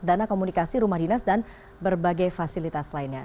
dana komunikasi rumah dinas dan berbagai fasilitas lainnya